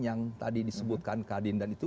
yang tadi disebutkan kadin dan itu